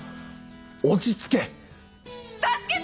落ち着け！